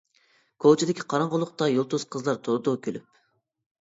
كوچىدىكى قاراڭغۇلۇقتا يۇلتۇز قىزلار تۇرىدۇ كۈلۈپ.